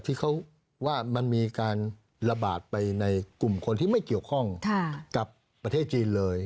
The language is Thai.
ที่เขาว่ามันมีการระบาดไปในกลุ่มคนที่ไม่เกี่ยวข้องกับประเทศจีนเลย